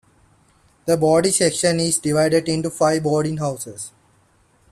The boarding section is divided into five boarding houses.